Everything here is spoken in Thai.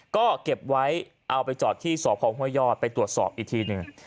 ก็เก็บไว้เอาไปจอดที่สพห้วยยอดไปตรวจสอบอีกทีหนึ่ง